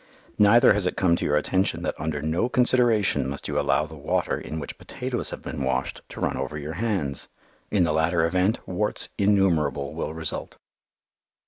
Neither has it come to your attention that under no consideration must you allow the water in which potatoes have been washed to run over your hands. In the latter event, warts innumerable will result.